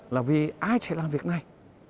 là vì ai sẽ làm việc này